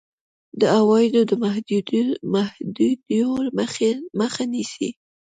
د عوایدو د محدودېدو مخه نیسي.